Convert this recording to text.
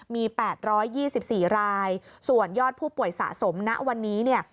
มี๘๒๔รายส่วนยอดผู้ป่วยสะสมณวันนี้เนี่ย